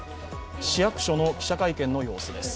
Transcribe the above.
市役所の記者会見の様子です。